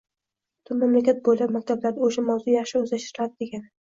butun mamlakat bo‘ylab maktablarda o‘sha mavzu yaxshi o‘zlashtiriladi degani.